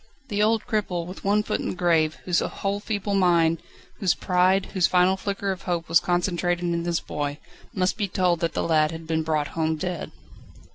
The old cripple, with one foot in the grave, whose whole feeble mind, whose pride, whose final flicker of hope was concentrated in his boy, must be told that the lad had been brought home dead.